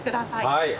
はい。